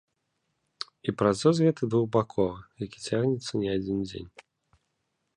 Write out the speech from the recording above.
І працэс гэты двухбаковы, які цягнецца не адзін дзень.